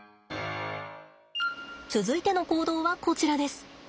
続いての行動はこちらです。